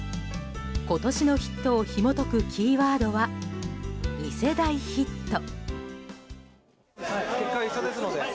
今年のヒットをひも解くキーワードは２世代ヒット。